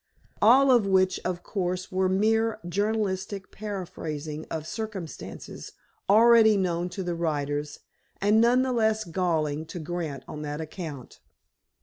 All of which, of course, was mere journalistic paraphrasing of circumstances already known to the writers, and none the less galling to Grant on that account.